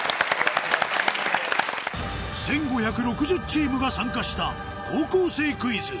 １５６０チームが参加した『高校生クイズ』